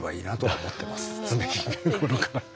常日頃から。